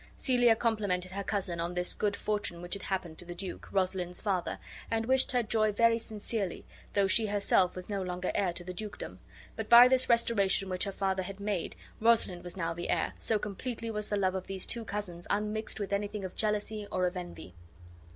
Celia complimented her cousin on this good, fortune which had happened to the duke, Rosalind's father, and wished her joy very sincerely, though she herself was no longer heir to the dukedom, but by this restoration which her father had made, Rosalind was now the heir, so completely was the love of these two cousins unmixed with anything of jealousy or of envy.